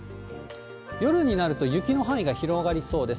夜になると、雪の範囲が広がりそうです。